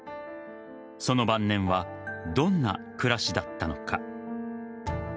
その晩年はどんな暮らしだったのか。